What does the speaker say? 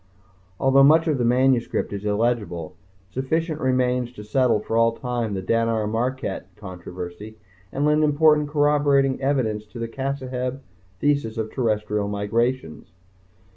Although much of the manuscript is illegible, sufficient remains to settle for all time the Dannar Marraket Controversy and lend important corroborating evidence to the Cassaheb Thesis of Terrestrial migrations.